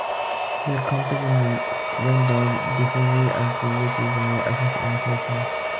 Their competing vendors disagree as to which is more effective and safer.